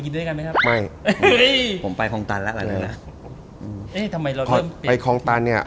ก๋วยเตี๋ยวอร่อยเนี่ยแถวนี้